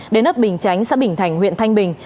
đến ấp bình chánh xã bình thành huyện thanh bình